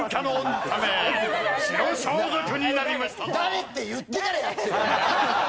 誰って言ってからやってよ！